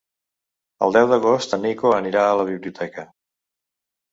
El deu d'agost en Nico anirà a la biblioteca.